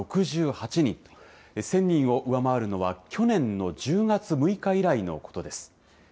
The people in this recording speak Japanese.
１０００人を上回るのは去年の１０月６日以来のことです。